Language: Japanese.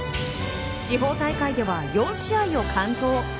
地方大会では４試合を完投。